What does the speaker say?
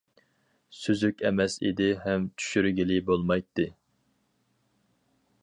سۈزۈك ئەمەس ئىدى ھەم چۈشۈرگىلى بولمايتتى.